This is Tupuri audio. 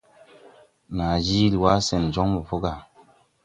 Naa jiili wá sen jɔŋ mo po gà.